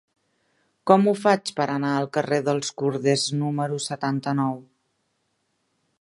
Com ho faig per anar al carrer dels Corders número setanta-nou?